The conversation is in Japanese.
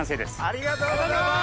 ありがとうございます！